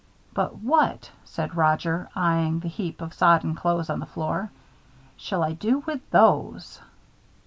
"But what," said Roger, eying the heap of sodden clothing on the floor, "shall I do with those?"